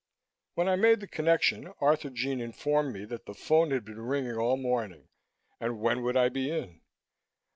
When I made the connection, Arthurjean informed me that the phone had been ringing all morning and when would I be in.